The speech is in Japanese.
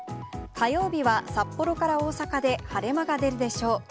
火曜日は札幌から大阪で晴れ間が出るでしょう。